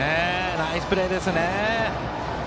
ナイスプレーですね。